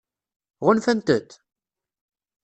Ɣunfant-t?